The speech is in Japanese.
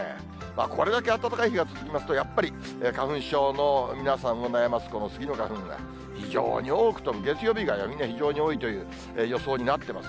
これだけ暖かい日が続きますと、やっぱり花粉症の皆さんを悩ます、このスギの花粉が非常に多く飛ぶ、月曜以外は非常に多いという予想になってます。